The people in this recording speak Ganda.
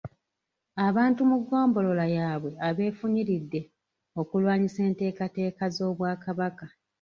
Abantu mu ggombolola yaabwe abeefunyiridde okulwanyisa enteekateeka z’Obwakabaka.